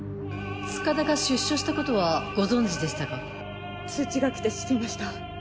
塚田が出所したことはご存じでしたか？通知が来て知りました。